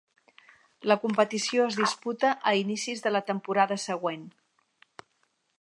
La competició es disputa a inicis de la temporada següent.